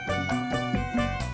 kamu sama amin